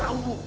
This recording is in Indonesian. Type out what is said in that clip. aku tau bu